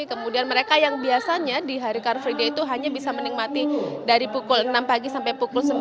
kemudian mereka yang biasanya di hari car free day itu hanya bisa menikmati dari pukul enam pagi sampai pukul sembilan